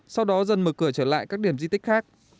sau đó dần mở cửa trở lại các điểm di tích khác